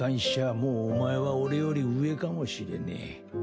もうお前は俺より上かもしれねえ。